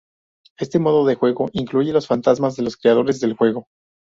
Este modo de juego incluye los fantasmas de los creadores del juego.